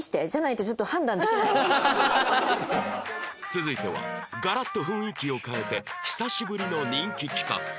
続いてはガラッと雰囲気を変えて久しぶりの人気企画